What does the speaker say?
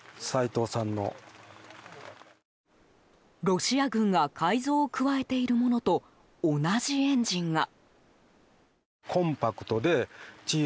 ロシア軍が改造を加えているものと同じエンジンが。